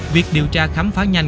việc điều tra khám phá nhanh